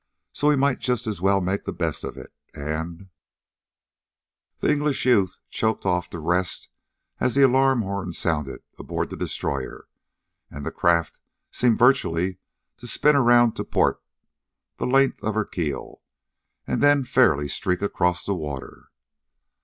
So we might just as well make the best of it. And " The English youth choked off the rest as the alarm horn sounded aboard the destroyer, and the craft seemed virtually to spin around to port the length of her keel, and then fairly streak across the water.